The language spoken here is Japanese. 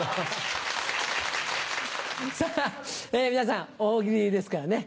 さぁ皆さん「大喜利」ですからね。